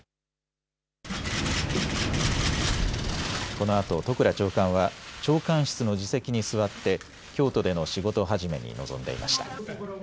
このあと都倉長官は長官室の自席に座って京都での仕事始めに臨んでいました。